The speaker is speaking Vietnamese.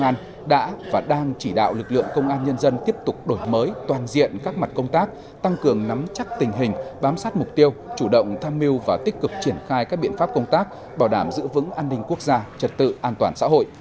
công an đã và đang chỉ đạo lực lượng công an nhân dân tiếp tục đổi mới toàn diện các mặt công tác tăng cường nắm chắc tình hình bám sát mục tiêu chủ động tham mưu và tích cực triển khai các biện pháp công tác bảo đảm giữ vững an ninh quốc gia trật tự an toàn xã hội